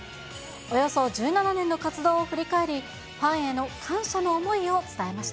およそ１７年の活動を振り返り、ファンへの感謝の思いを伝えまし